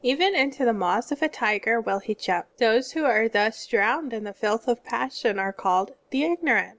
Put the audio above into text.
Even into the maws of a tiger will he jump. Those who are thus drowned in the filth of passion are called the ignorant.